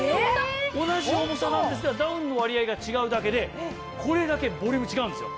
同じ重さなんですけどダウンの割合が違うだけでこれだけボリューム違うんですよ。